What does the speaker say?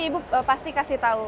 ibu pasti kasih tau